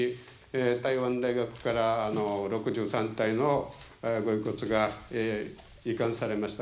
台湾大学から６３体のご遺骨が移管されました